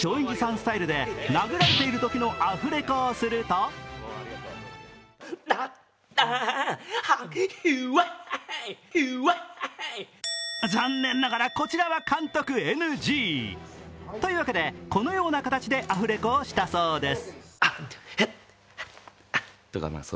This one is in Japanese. スタイルで殴られているときのアフレコをすると残念ながら、こちらは監督ＮＧ。というわけでこのような形でアフレコをしたようです。